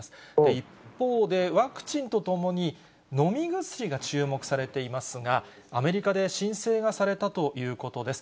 一方で、ワクチンとともに飲み薬が注目されていますが、アメリカで申請がされたということです。